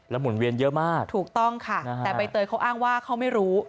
หมุนเวียนเยอะมากถูกต้องค่ะแต่ใบเตยเขาอ้างว่าเขาไม่รู้